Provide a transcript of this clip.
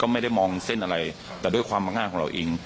ไม่ได้มองเส้นอะไรแต่ด้วยความมักง่ายของเราเอง